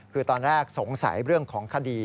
คือตอนแรกสงสัยเรื่องของคดี